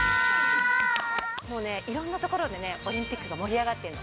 もうね、いろんなところでオリンピックが盛り上がってるの。